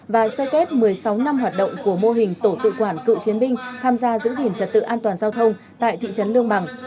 và sơ kết một mươi sáu năm hoạt động của mô hình tổ tự quản cựu chiến binh tham gia giữ gìn trật tự an toàn giao thông tại thị trấn lương bằng